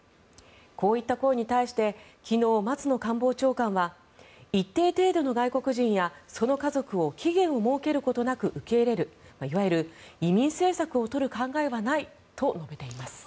こういった声に対して昨日、松野官房長官は一定程度の外国人やその家族を期限を設けることなく受け入れるいわゆる移民政策を取る考えはないと述べています。